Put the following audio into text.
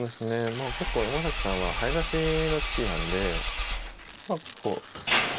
まあ結構山崎さんは早指しの棋士なんでうまくこう。